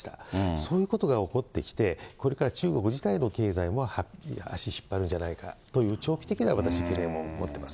そういうことが起こってきて、これから中国自体の経済も足引っ張るんじゃないかという、長期的な私、を持っています。